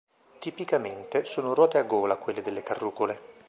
Tipicamente, sono ruote a gola quelle delle carrucole.